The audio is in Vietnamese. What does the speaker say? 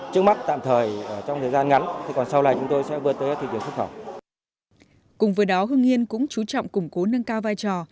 cùng với đó hương yên cũng chú trọng củng cố nâng cao vai trò